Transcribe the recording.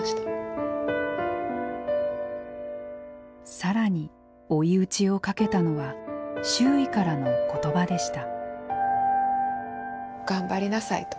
更に追い打ちをかけたのは周囲からの言葉でした。